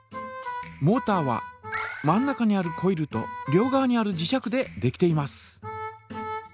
モータは真ん中にあるコイルと両側にある磁石でできています。